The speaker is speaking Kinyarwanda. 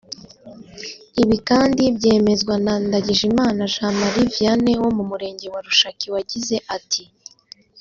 Ibi kandi byemezwa na Ndagijimana Jean Marie Vianney wo mu Murenge wa Rushaki wagize ati